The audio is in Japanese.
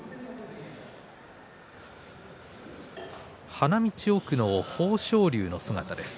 花道には豊昇龍の姿です。